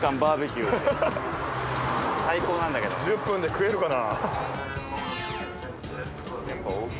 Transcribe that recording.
１０分で食えるかな。